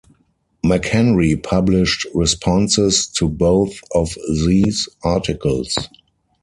McHenry published responses to both of these articles.